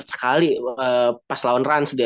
sekali pas lawan rans deh